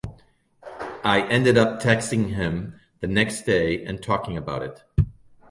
I ended up texting him the next day and talking about it.